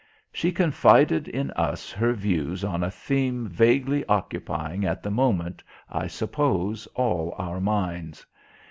She confided in us her views on a theme vaguely occupying at the moment, I suppose, all our minds.